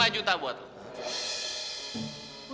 lima juta buat lo